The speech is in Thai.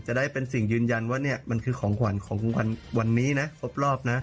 จะได้เป็นสิ่งยืนยันว่าเนี่ยมันคือของขวัญของคุณวันนี้นะครบรอบนะ